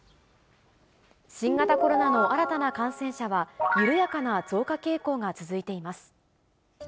新型コロナの新たな感染者は、緩やかな増加傾向が続いています。